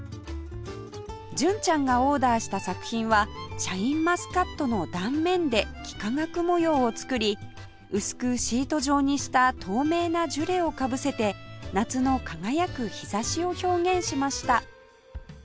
純ちゃんがオーダーした作品はシャインマスカットの断面で幾何学模様を作り薄くシート状にした透明なジュレをかぶせて夏の輝く日差しを表現しました